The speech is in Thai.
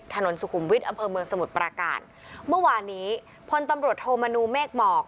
ถนนสุขุมวิทย์อำเภอเมืองสมุทรปราการเมื่อวานนี้พลตำรวจโทมนูเมฆหมอก